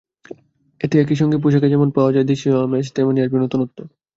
এতে একই সঙ্গে পোশাকে যেমন পাওয়া যাবে দেশীয় আমেজ, তেমনি আসবে নতুনত্ব।